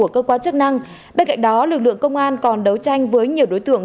cơ quan chức năng bên cạnh đó lực lượng công an còn đấu tranh với nhiều đối tượng